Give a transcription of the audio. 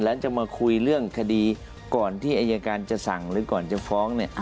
แล้วจะมาคุยเรื่องคดีก่อนที่อายการจะสั่งหรือก่อนจะฟ้องเนี่ย